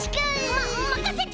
ままかせて！